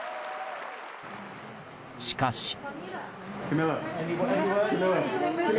しかし。